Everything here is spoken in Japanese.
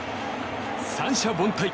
三者凡退。